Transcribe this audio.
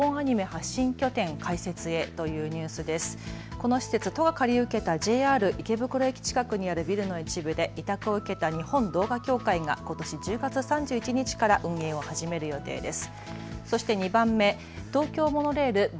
この施設、都が借り受けたＪＲ池袋駅近くにあるビルの一部で委託を受けた日本動画協会がことし１０月３１日から運営を始める予定です。